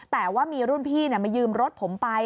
แต่ว่ามีรุ่นพี่มายืมรถผมไป